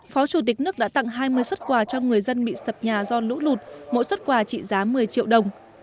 phó chủ tịch nước đã tặng hai mươi xuất quà cho người dân bị sập nhà do lũ lụt mỗi xuất quà trị giá một mươi triệu đồng